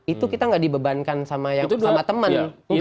itu kita nggak dibebankan sama teman